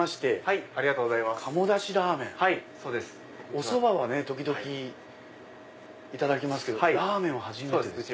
おそばは時々いただきますけどラーメンは初めてです。